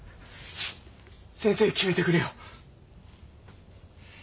先生決めてくれよ。